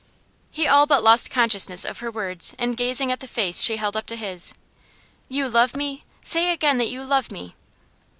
He all but lost consciousness of her words in gazing at the face she held up to his. 'You love me? Say again that you love me!